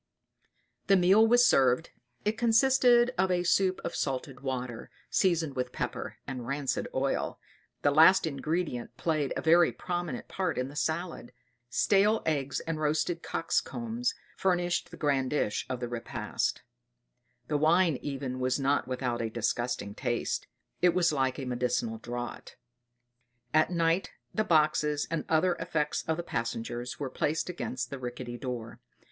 The meal was served. It consisted of a soup of salted water, seasoned with pepper and rancid oil. The last ingredient played a very prominent part in the salad; stale eggs and roasted cocks' combs furnished the grand dish of the repast; the wine even was not without a disgusting taste it was like a medicinal draught. At night the boxes and other effects of the passengers were placed against the rickety doors.